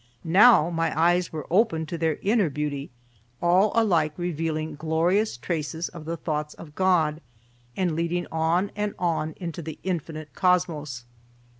Now my eyes were opened to their inner beauty, all alike revealing glorious traces of the thoughts of God, and leading on and on into the infinite cosmos.